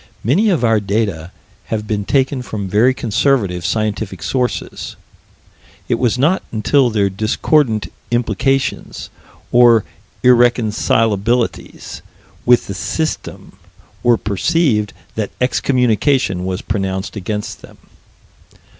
Many of our data have been taken from very conservative scientific sources: it was not until their discordant implications, or irreconcilabilities with the System, were perceived, that excommunication was pronounced against them.